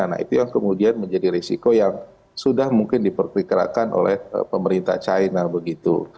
nah itu yang kemudian menjadi risiko yang sudah mungkin diperkirakan oleh pemerintah china begitu